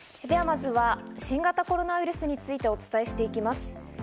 では、まずは新型コロナウイルスについて、お伝えしていきます。